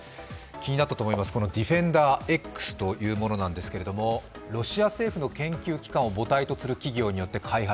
気になったと思います、ＤＥＦＥＮＤＥＲ−Ｘというものなんですけど、ロシア政府の研究機関を母体とする企業で開発。